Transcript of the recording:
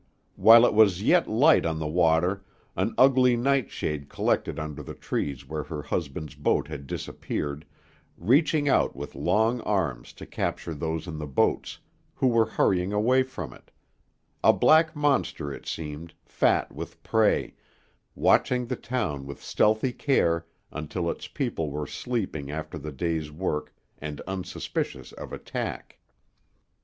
While it was yet light on the water, an ugly night shade collected under the trees where her husband's boat had disappeared, reaching out with long arms to capture those in the boats, who were hurrying away from it, a black monster it seemed, fat with prey, watching the town with stealthy care until its people were sleeping after the day's work, and unsuspicious of attack.